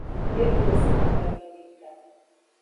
Exo zan gawideka.